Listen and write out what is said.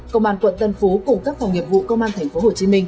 công an quận tân phú cùng các phòng nghiệp vụ công an tp hcm